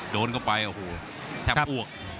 โดนเข้าไปโอ้โหแทบอ้วก